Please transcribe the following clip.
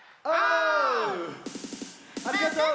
ありがとう！